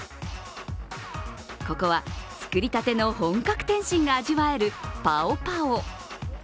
ここは作りたての本格点心が味わえるパオパオ。